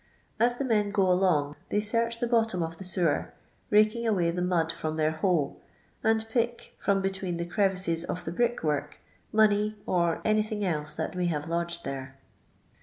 As the men go along they search the bottom of the sewer, raking away the mud with their hoe, and pick, from be tween the crevices of the brick work, money, or anything else that may have lodged there.